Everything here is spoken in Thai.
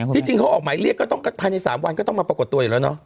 จริงเขาออกหมายเรียกก็ต้องภายใน๓วันก็ต้องมาปรากฏตัวอยู่แล้วเนาะ